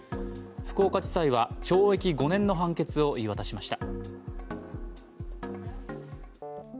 福岡地裁は懲役５年の判決を言い渡しました。